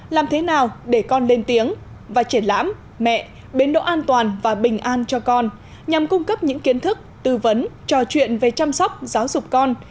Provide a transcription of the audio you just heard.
làm thế nào để con lên tiếng và triển lãm mẹ biến độ an toàn và bình an cho con nhằm cung cấp những kiến thức tư vấn trò chuyện về chăm sóc giáo dục con